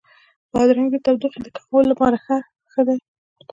بادرنګ د تودوخې د کمولو لپاره ښه دی.